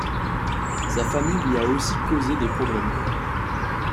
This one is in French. Sa famille lui a aussi causé des problèmes.